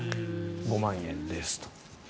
５万円ですと。